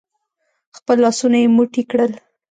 خپل لاسونه يې موټي کړل.